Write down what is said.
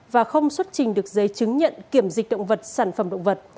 và không xuất trình được giấy chứng nhận kiểm dịch động vật sản phẩm động vật